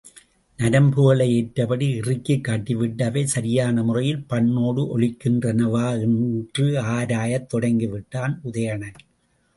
நரம்புகளை ஏற்றபடி இறுக்கிக் கட்டிவிட்டு அவை சரியான முறையில் பண்ணோடு ஒலிக்கின்றனவா என்றும் ஆராயத் தொடங்கிவிட்டான் உதயணன்.